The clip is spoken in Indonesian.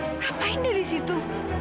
ngapain di situ